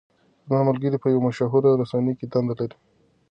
زما ملګری په یوه مشهوره رسنۍ کې دنده لري.